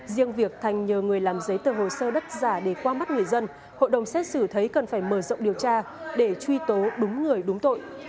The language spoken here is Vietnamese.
riêng việc thành nhờ người làm giấy tờ hồ sơ đất giả để qua mắt người dân hội đồng xét xử thấy cần phải mở rộng điều tra để truy tố đúng người đúng tội